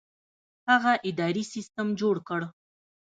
هغه اداري سیستم جوړ کړ.